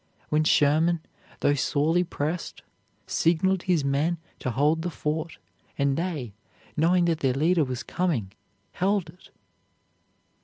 when Sherman, though sorely pressed, signaled his men to hold the fort, and they, knowing that their leader was coming, held it?